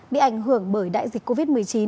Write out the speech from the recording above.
bị ảnh hưởng bởi đại dịch covid một mươi chín